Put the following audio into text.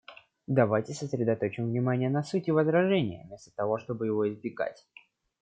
Давайте сосредоточим внимание на сути возражения вместо того, чтобы его избегать.